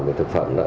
về thực phẩm đó